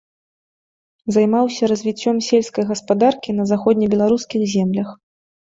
Займаўся развіццём сельскай гаспадаркі на заходнебеларускіх землях.